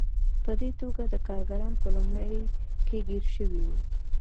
په دې توګه کارګران په لومه کې ګیر شوي وو.